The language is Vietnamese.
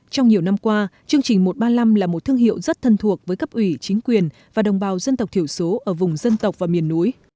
trong nhiều năm qua chương trình một trăm ba mươi năm là một thương hiệu rất thân thuộc với cấp ủy chính quyền và đồng bào dân tộc thiểu số ở vùng dân tộc và miền núi